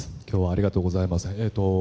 今日はありがとうございます